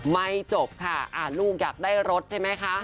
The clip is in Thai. ไม่จบค่ะลูกอยากได้รถใช่ไหมคะ